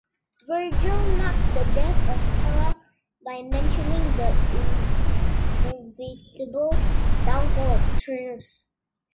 Virgil marks the death of Pallas by mentioning the inevitable downfall of Turnus.